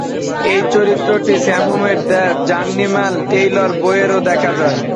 এই চরিত্রটি সেমুরের "দ্য জার্নিম্যান টেইলর" বইয়েও দেখা যায়।